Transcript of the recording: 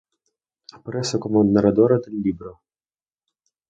Aparece como narradora del libro.